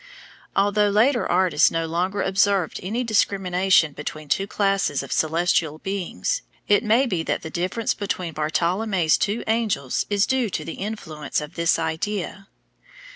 Although later artists no longer observed any discrimination between two classes of celestial beings, it may be that the difference between Bartolommeo's two angels is due to the influence of this idea.